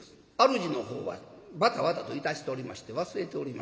主のほうはバタバタといたしておりまして忘れておりました。